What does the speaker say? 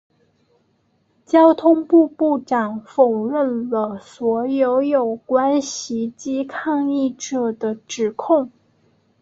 交通部部长否认了所有有关袭击抗议者的指控。